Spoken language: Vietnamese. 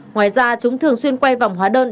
ngoài ra chúng thường xuyên quay vòng hóa đơn